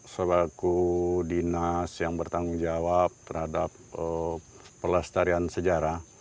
selaku dinas yang bertanggung jawab terhadap pelestarian sejarah